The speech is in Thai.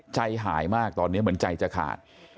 ใจหายมากตอนนี้เหมือนใจจะขาด